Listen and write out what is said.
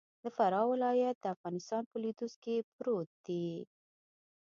د فراه ولايت د افغانستان په لویدیځ کی پروت دې.